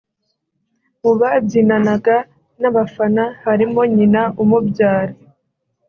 Mu babyinanaga n’abafana harimo nyina umubyara